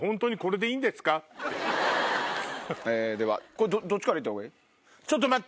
ではこれどっちから行ったほうがいい？